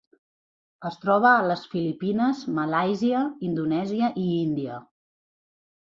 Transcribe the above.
Es troba a les Filipines, Malàisia, Indonèsia i Índia.